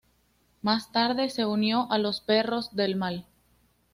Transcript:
Más tarde se unió a los Perros del Mal.